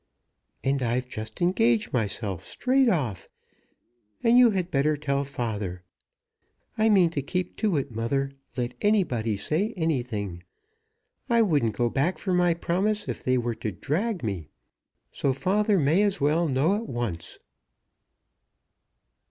"And I've just engaged myself straight off, and you had better tell father. I mean to keep to it, mother, let anybody say anything. I wouldn't go back from my promise if they were to drag me. So father may as well know at once."